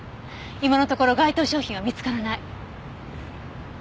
今のところ該当商品は見つからない。